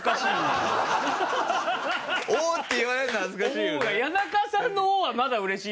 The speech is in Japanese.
「お」って言われるの恥ずかしいよね。